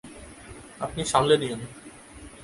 আপনি সামলে নিয়েন।